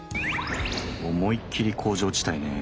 思いっきり工場地帯ねえ。